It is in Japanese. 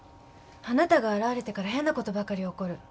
あなたが現れてから変なことばかり起こる。